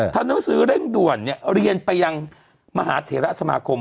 ทำหนังสือเร่งด่วนเรียนไปยังมหาเถระสมาคม